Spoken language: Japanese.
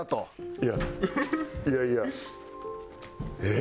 いやいやいやえっ？